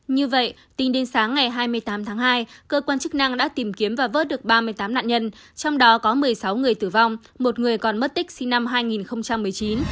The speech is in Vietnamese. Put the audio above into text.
như vậy tính đến sáng ngày hai mươi tám tháng hai cơ quan chức năng đã tìm kiếm và vớt được ba mươi tám nạn nhân trong đó có một mươi sáu người tử vong một người còn mất tích sinh năm hai nghìn một mươi chín